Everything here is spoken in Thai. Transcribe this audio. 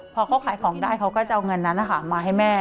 พอเขาขายของได้เขาก็จะเอาเงินนั้นมาให้แม่